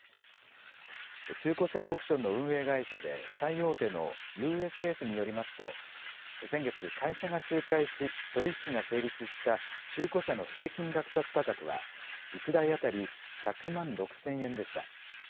中古車オークションの運営会社で最大手のＵＳＳによりますと先月、会社が仲介し取り引きが成立した中古車の平均落札価格は１台当たり１００万６０００円でした。